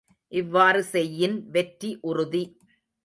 இவ்வாறு செய்யின் வெற்றி உறுதி.